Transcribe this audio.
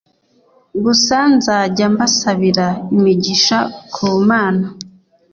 gusa nzajya mbasabira imigisha ku Mana